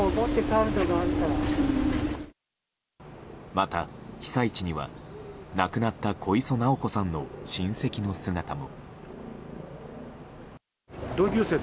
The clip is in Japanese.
また、被災地には亡くなった小磯尚子さんの親戚の姿も。